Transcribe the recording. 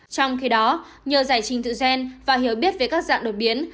trong khi đó nhờ giải trình tự gen và hiểu biết về các dạng đột biến